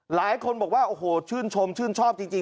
หลายคนบอกว่าโอ้โหชื่นชมชื่นชอบจริง